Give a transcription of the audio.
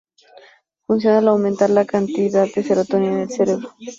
Funciona al aumentar la cantidad de serotonina en el cerebro.